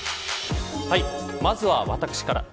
まずは私から。